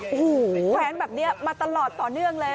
โอ้โหแขวนแบบนี้มาตลอดต่อเนื่องเลย